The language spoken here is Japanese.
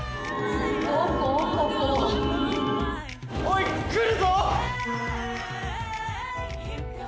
おい来るぞ！